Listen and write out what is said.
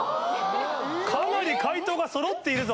かなり解答がそろっているぞ。